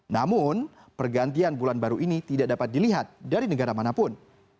namun pergantian bulan baru ini tidak dapat dilihat dari negara manapun